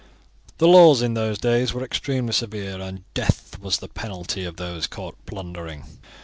The laws in those days were extremely severe, and death was the penalty of those caught plundering.